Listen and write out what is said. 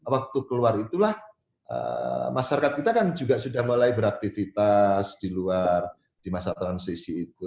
waktu keluar itulah masyarakat kita kan juga sudah mulai beraktivitas di luar di masa transisi itu